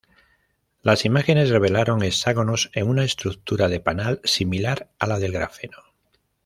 Las imágenes revelaron hexágonos en una estructura de panal similar a la del grafeno.